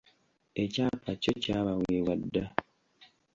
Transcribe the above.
Ekyapa kyo kyabaweebwa dda.